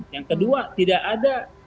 yang kedua tidak ada